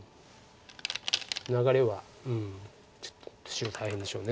流れはちょっと白大変でしょう。